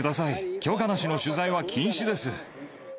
許可なしの取材は禁止です。